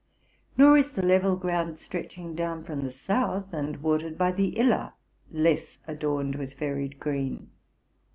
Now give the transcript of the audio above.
Nor is the level ground, stretching down from the south, and watered by the Iller, less adorned with varied green.